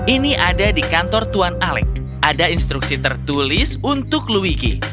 ini ada di kantor tuan alec ada instruksi tertulis untuk luigi